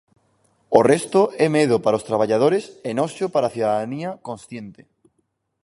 O resto é medo para os traballadores e noxo para a cidadanía consciente.